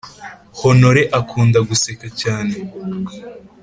Honore akunda guseka cyane